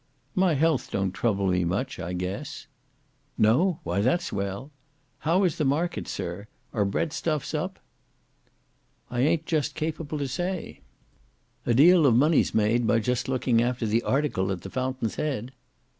"My health don't trouble me much, I guess." "No? Why that's well. How is the markets, sir? Are bread stuffs up?" "I a'nt just capable to say." "A deal of money's made by just looking after the article at the fountain's head."